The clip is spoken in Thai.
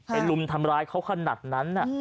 ไอ้ลุมทำร้ายเขาขนาดนั้นน่ะ